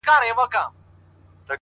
هره هڅه د ځان جوړونې برخه ده’